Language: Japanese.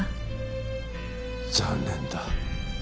残念だ。